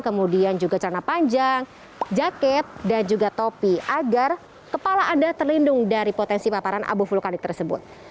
kemudian juga celana panjang jaket dan juga topi agar kepala anda terlindung dari potensi paparan abu vulkanik tersebut